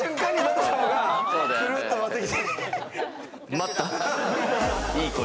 待った？